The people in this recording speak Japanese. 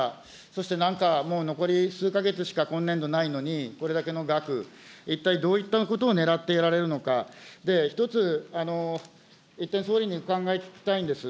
そしてなんか、もう残り数か月しか今年度ないのに、これだけの額、一体どういったことをねらっておられるのか、一つ、一点、総理にお考え聞きたいんです。